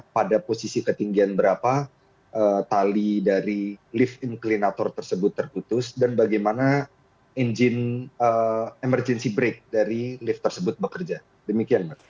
pada posisi ketinggian berapa tali dari lift inclinator tersebut terputus dan bagaimana engine emergency break dari lift tersebut bekerja demikian mas